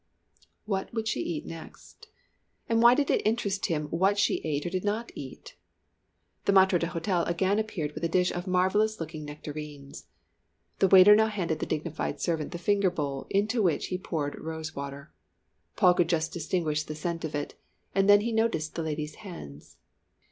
What would she eat next? And why did it interest him what she ate or did not eat? The maître d'hôtel again appeared with a dish of marvellous looking nectarines. The waiter now handed the dignified servant the finger bowl, into which he poured rose water. Paul could just distinguish the scent of it, and then he noticed the lady's hands.